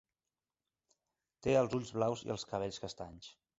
Té els ulls blaus i els cabells castanys.